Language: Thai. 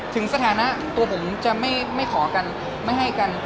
สถานะตัวผมจะไม่ขอกันไม่ให้กัน